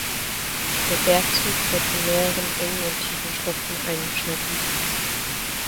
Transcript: Der Bergzug wird von mehreren engen und tiefen Schluchten eingeschnitten.